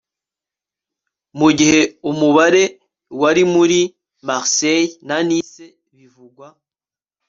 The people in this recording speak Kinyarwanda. mu gihe umubare wa r muri marseille na nice bivugwa